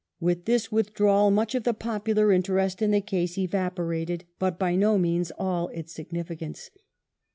With this withdrawal much of the popular interest in the case evaporated, but by no means all its significance.